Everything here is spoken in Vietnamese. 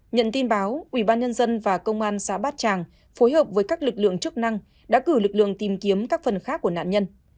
nhận tin báo ubnd và công an xã bát tràng phối hợp với các lực lượng chức năng đã cử lực lượng tìm kiếm các phần khác của nạn nhân